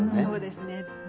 そうですね。